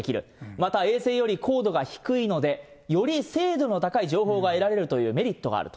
また衛星より高度が低いので、より精度の高い情報が得られるというメリットがあると。